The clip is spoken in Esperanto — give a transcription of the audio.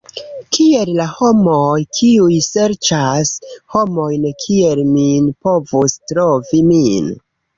Kiel la homoj, kiuj serĉas homojn kiel min, povus trovi min?